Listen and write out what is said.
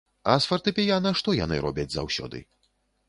А з фартэпіяна што яны робяць заўсёды?